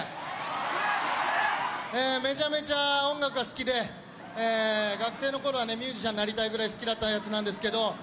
めちゃめちゃ音楽が好きで学生の頃はねミュージシャンになりたいぐらい好きだったヤツなんですけど。